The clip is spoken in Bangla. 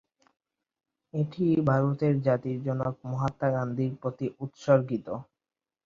এটি ভারতের জাতির জনক মহাত্মা গান্ধীর প্রতি উৎসর্গিত।